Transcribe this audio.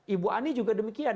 ibu ani juga demikian